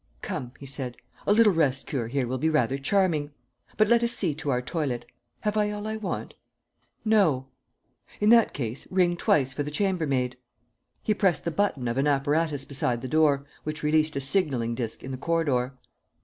"Come," he said, "a little rest cure here will be rather charming. ... But let us see to our toilet. ... Have I all I want? ... No. ... In that case, ring twice for the chambermaid." He pressed the button of an apparatus beside the door, which released a signaling disc in the corridor.